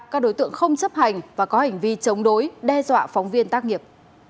các đối tượng không chấp hành và có hành vi chống đối đe dọa phóng viên tác nghiệp